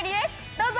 どうぞ！